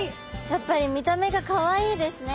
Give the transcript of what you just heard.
やっぱり見た目がかわいいですね。